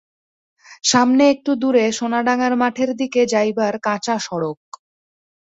সামনে একটু দূরে সোনাডাঙার মাঠের দিকে যাইবার কাঁচা সড়ক।